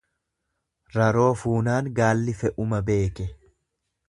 Raroo fuunaan gaalli fe'uma beeke.